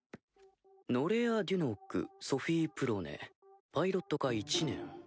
「ノレア・デュノクソフィ・プロネパイロット科１年」。